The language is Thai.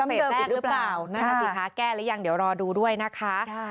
นักเศษแรกหรือเปล่านักนักศิษย์คะแก้หรือยังเดี๋ยวรอดูด้วยนะคะ